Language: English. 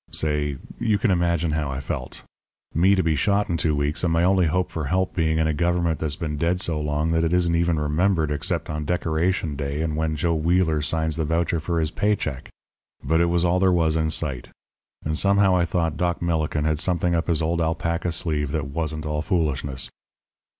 "Say you can imagine how I felt me to be shot in two weeks and my only hope for help being in a government that's been dead so long that it isn't even remembered except on Decoration Day and when Joe Wheeler signs the voucher for his pay check. But it was all there was in sight; and somehow I thought Doc Millikin had something up his old alpaca sleeve that wasn't all foolishness.